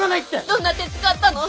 どんな手使ったの？